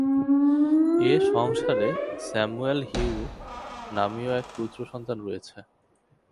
এ সংসারে Samuel Hugh নামীয় এক পুত্র সন্তান রয়েছে।